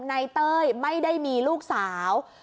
เต้ยไม่ได้มีลูกสาว